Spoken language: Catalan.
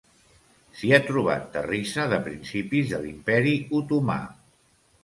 S'hi ha trobat terrissa de principis de l'Imperi Otomà.